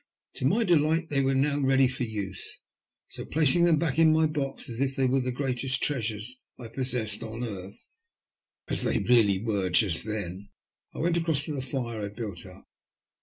To my delight they were now ready for use. 80 placing them back in my box as if they were the greatest treasures I possessed on earth — as they really were just then — I went across to the fire I had built np.